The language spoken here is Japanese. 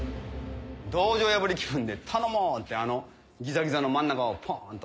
道場破り気分で「頼もう！」ってあのギザギザの真ん中をポンっと！